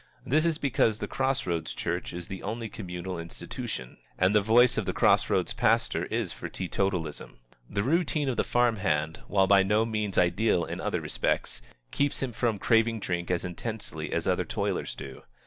This is because the cross roads church is the only communal institution, and the voice of the cross roads pastor is for teetotalism. The routine of the farm hand, while by no means ideal in other respects, keeps him from craving drink as intensely as other toilers do.